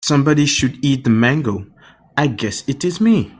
Somebody should eat the mango, I guess it is me.